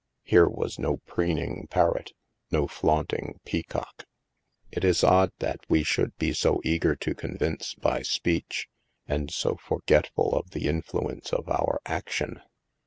Here was no preening parrot, no flaunting peacock. It is odd that we should be so eager to convince by speech, and so forgetful of the influence of our action.